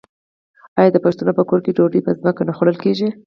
آیا د پښتنو په کور کې ډوډۍ په ځمکه نه خوړل کیږي؟